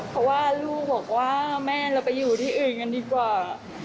เพราะว่าลูกบอกว่าแม่เราไปอยู่ที่อื่นกันดีกว่า